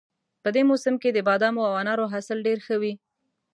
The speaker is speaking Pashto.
په دې موسم کې د بادامو او انارو حاصل ډېر ښه وي